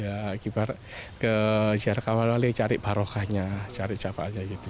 ya kibar ke ziarah kawal wali cari barokahnya cari jafa aja gitu